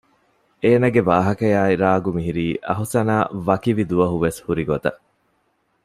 އޭނާގެ ވާހަކަޔާއި ރާގު މިހިރީ އަހުސަނާ ވަކިވި ދުވަހު ވެސް ހުރި ގޮތަށް